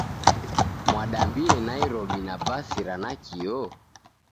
Mwadambie Nairobi na basi ra nakio?